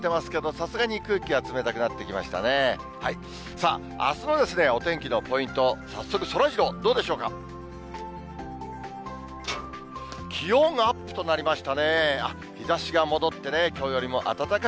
さあ、あすのお天気のポイント、早速、そらジロー、どうでしょうか。